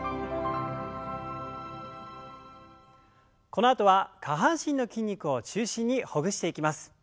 このあとは下半身の筋肉を中心にほぐしていきます。